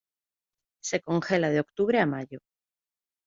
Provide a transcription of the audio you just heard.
Se congela de octubre a mayo.